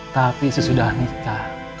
tapi sesudah nikah